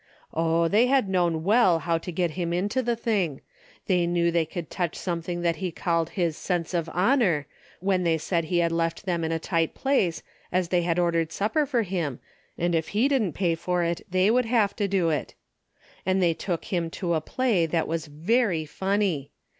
Oh, they had known well how to get him into the thing. They knew they could touch some 'M DAILY RATE:^ 189 thing that he called his sense of honor, when they said he had left them in a tight place, as they had ordered supper for him, and if he didn't pay for it they would have to do it. And they took him to a play that was very funny.